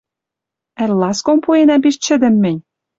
Ӓль ласком пуэнӓм пиш чӹдӹм мӹнь?